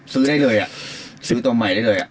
ซื้อได้เลยอ่ะซื้อตัวใหม่ได้เลย